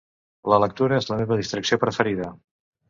La lectura és la meva distracció preferida.